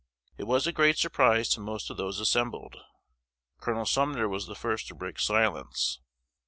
It was a great surprise to most of those assembled. Col. Sumner was the first to break silence.